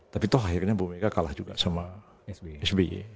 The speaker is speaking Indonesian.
tapi tuh akhirnya bu mega kalah juga sama sby